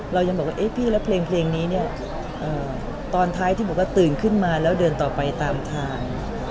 เรายังบอกว่าเอ๊ะพี่แล้วเพลงนี้เนี่ยตอนท้ายที่บอกว่าตื่นขึ้นมาแล้วเดินต่อไปตามทาง